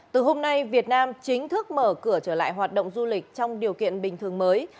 từ hôm nay việt nam chính thức mở cửa trở lại hoạt động du lịch trong điều kiện bình thường mới